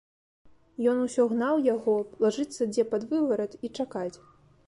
Ён усё гнаў яго лажыцца дзе пад выварат і чакаць.